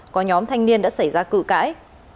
có nhóm thanh niên đã xảy ra cử cãi